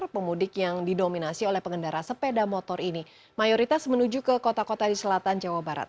pemudik yang didominasi oleh pengendara sepeda motor ini mayoritas menuju ke kota kota di selatan jawa barat